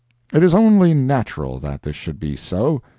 It is only natural that this should be so.